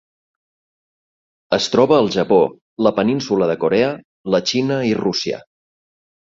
Es troba al Japó, la Península de Corea, la Xina i Rússia.